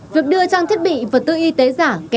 việc đưa trong thiết bị vật tư y tế giảng